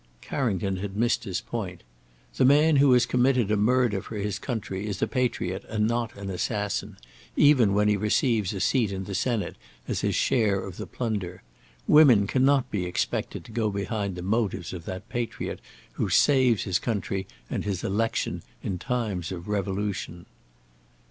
Carrington had missed his point. The man who has committed a murder for his country, is a patriot and not an assassin, even when he receives a seat in the Senate as his share of the plunder. Women cannot be expected to go behind the motives of that patriot who saves his country and his election in times of revolution.